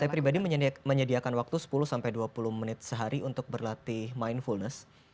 saya pribadi menyediakan waktu sepuluh sampai dua puluh menit sehari untuk berlatih mindfulness